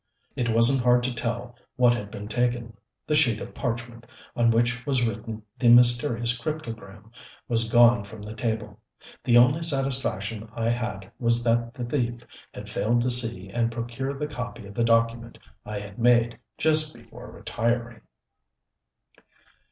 It wasn't hard to tell what had been taken. The sheet of parchment, on which was written the mysterious cryptogram, was gone from the table. The only satisfaction I had was that the thief had failed to see and procure the copy of the document I had made just before retiring.